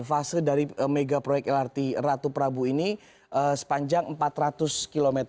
fase dari mega proyek lrt ratu prabu ini sepanjang empat ratus km